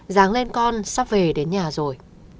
giáng lên con sắp về đến nhà rồi